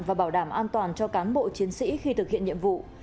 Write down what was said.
và bảo đảm an toàn cho cán bộ chiến sĩ khi thực hiện nhiệm vụ